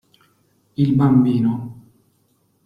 Il bambino.